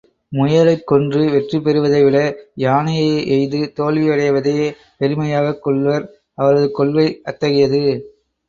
முயலைக் கொன்று வெற்றிபெறுவதைவிட, யானையை எய்து தோல்வியடைவதையே பெருமையாகக் கொள்வர் அவரது கொள்கை அத்தகையது.